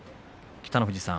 北の富士さん